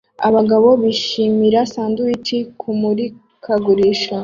Abagabo bishimira sandwich kumurikagurisha